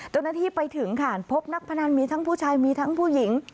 เจ้าหน้าที่ไปถึงค่ะพบนักพนันมีทั้งผู้ชายมีทั้งผู้หญิง